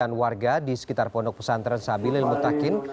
dengan warga di sekitar pondok pesantren sabilil mutakin